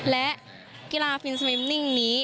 และกีฬาฟินสมิมนิ่งนี้